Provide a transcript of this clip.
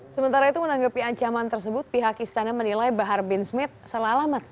sementara itu menanggapi ancaman tersebut pihak istana menilai bahar bin smith salah alamat